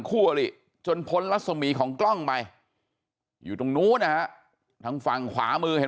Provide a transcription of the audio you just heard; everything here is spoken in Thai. คู่อลิจนพ้นรัศมีของกล้องไปอยู่ตรงนู้นนะฮะทางฝั่งขวามือเห็น